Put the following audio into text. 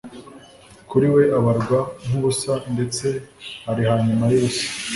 kuri we abarwa nkubusa ndetse ari hanyuma yubusa